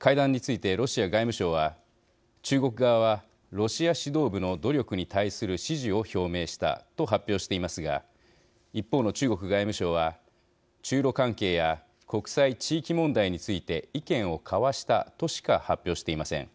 会談について、ロシア外務省は中国側はロシア指導部の努力に対する支持を表明したと発表していますが一方の中国外務省は中ロ関係や国際・地域問題について意見を交わしたとしか発表していません。